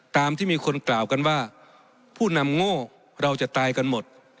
ตามที่มีคนกล่าวกันว่าผู้นำโง่เราจะตายกันหมด